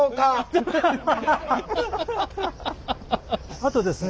あとですね